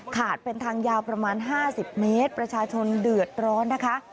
เป็นทางยาวประมาณ๕๐เมตรประชาชนเดือดร้อนนะคะ